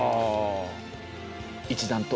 一段と。